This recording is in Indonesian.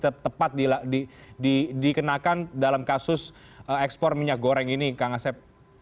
tetap tepat dikenakan dalam kasus ekspor minyak goreng ini kang asep